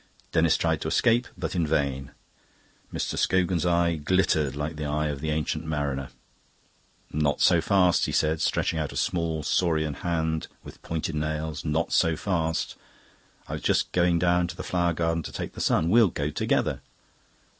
Denis tried to escape, but in vain. Mr. Scogan's eye glittered like the eye of the Ancient Mariner. "Not so fast," he said, stretching out a small saurian hand with pointed nails "not so fast. I was just going down to the flower garden to take the sun. We'll go together."